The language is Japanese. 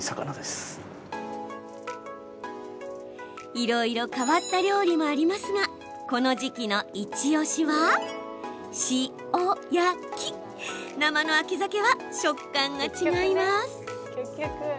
いろいろ変わった料理もありますがこの時期のイチオシは塩焼き生の秋ザケは食感が違います。